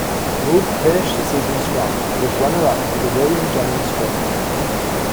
Moog finished the season strong and was runner-up for the William Jennings Trophy.